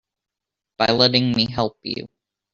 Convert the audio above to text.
By letting me help you.